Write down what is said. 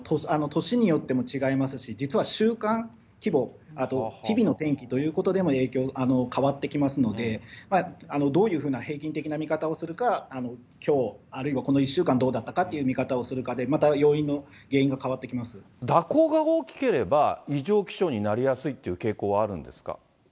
年によっても違いますし、実はしゅうかん規模、あと日々の天気ということでも影響、変わってきますので、どういうふうな平均的な見方をするか、きょう、あるいはこの１週間どうだったかという見方をするかで、蛇行が大きければ、異常気象になりやすいっていう傾向はあるんですか。